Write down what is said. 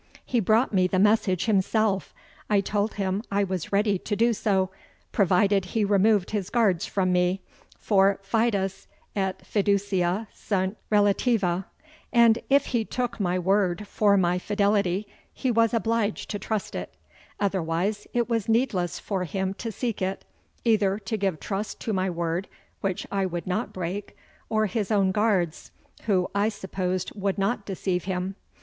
"He brought me the message himself, I told him I was ready to do so, provided he removed his guards from me, for FIDES ET FIDUCIA SUNT RELATIVA; and, if he took my word for my fidelity, he was obliged to trust it, otherwise, it was needless for him to seek it, either to give trust to my word, which I would not break, or his own guards, who I supposed would not deceive him.